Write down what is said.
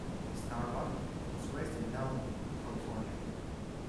Starbuck was raised in Downey, California.